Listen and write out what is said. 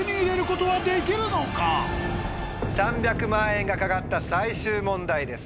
３００万円が懸かった最終問題です。